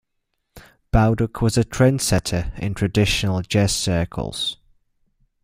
Bauduc was a trend setter in traditional jazz circles.